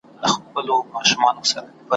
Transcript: خپل هدف اسانه تر لاسه کولای سو.